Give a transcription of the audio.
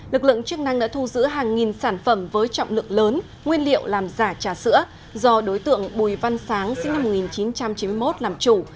lực lượng chức năng đã thu giữ hàng nghìn sản phẩm với trọng lượng lớn nguyên liệu làm giả trà sữa do đối tượng bùi văn sáng sinh năm một nghìn chín trăm chín mươi một làm chủ